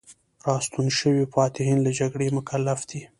راستون شوي فاتحین له جګړې مکلف دي.